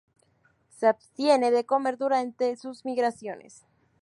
Se abstiene de comer durante sus migraciones.